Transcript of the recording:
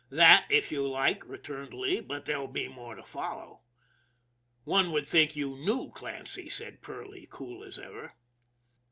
"That, if you like," returned Lee; "but there'll be more to follow." " One would think you kneiv Clancy," said Perley, cool as ever.